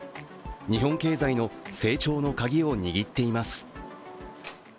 日本経済の成長のカギを握っています。